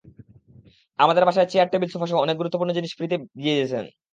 আমাদের বাসার chair, table, সোফাসহ অনেক গুরুত্বপূর্ণ জিনিস ফ্রিতে দিয়ে যেতেন।